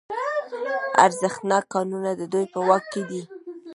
ارزښتناک کانونه د دوی په واک کې دي